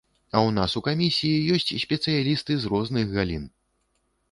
А ў нас у камісіі ёсць спецыялісты з розных галін.